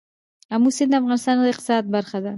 آمو سیند د افغانستان د اقتصاد برخه ده.